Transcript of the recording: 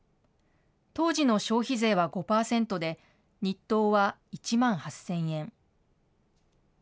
当時の消費税は５％で、日当は１万８０００円。